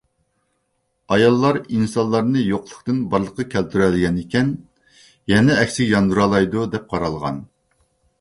ئاياللار ئىنسانلارنى يوقلۇقتىن بارلىققا كەلتۈرگەنىكەن، يەنە ئەكسىگە ياندۇرالايدۇ دەپ قارالغان.